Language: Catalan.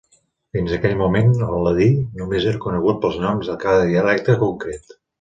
Fins aquell moment el ladí només era conegut pels noms de cada dialecte concret.